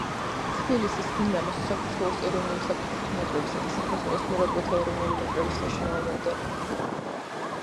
თბილისის „დინამოს“, საქართველოს ეროვნული საფეხბურთო ნაკრებისა და საქართველოს მორაგბეთა ეროვნული ნაკრების საშინაო მოედანი.